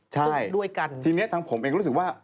ใช่ทีนี้ทางผมเองรู้สึกว่า